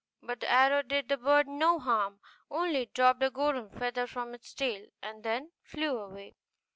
But the arrow did the bird no harm; only it dropped a golden feather from its tail, and then flew away.